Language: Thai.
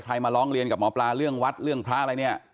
มาร้องเรียนกับหมอปลาเรื่องวัดเรื่องพระอะไรเนี่ย